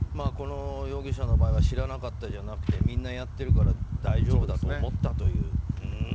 この容疑者の場合は知らなかったじゃなくてみんなやってるから大丈夫だと思ったと。